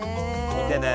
見てね！